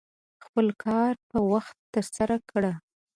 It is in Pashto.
خپل کار په وخت ترسره کړه.